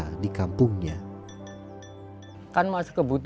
bagi iksan ini adalah keuntungannya